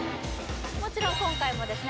もちろん今回もですね